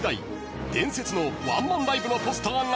［伝説のワンマンライブのポスターがこちら！］